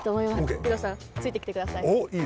二朗さんついてきてください。